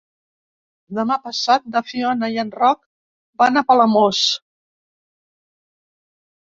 Demà passat na Fiona i en Roc van a Palamós.